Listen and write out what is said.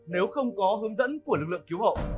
nếu không có hướng dẫn của lực lượng cứu hộ